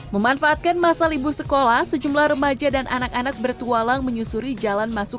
memanfaatkan masa libur sekolah sejumlah remaja dan anak anak bertualang menyusuri jalan masuk